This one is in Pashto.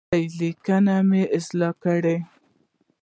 لومړۍ لیکنه مې اصلاح کړې ده.